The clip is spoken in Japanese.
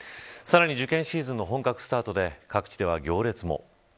さらに受験シーズンの本格スタートで各地では行列も。